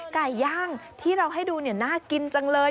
ไก่ย่างที่เราให้ดูน่ากินจังเลย